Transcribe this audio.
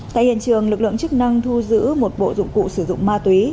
tại hiện trường lực lượng chức năng thu giữ một bộ dụng cụ sử dụng ma túy